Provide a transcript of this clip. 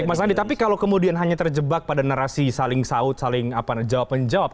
oke mas andi tapi kalau kemudian hanya terjebak pada narasi saling saud saling jawab menjawab